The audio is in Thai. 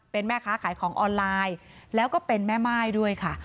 เป็นแม่ค้าขายของออนไลน์แล้วก็เป็นแม่ม่ายด้วยค่ะ